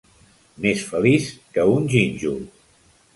Més feliç que un gínjol.